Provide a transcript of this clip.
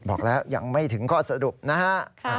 บอกแล้วยังไม่ถึงข้อสรุปนะฮะ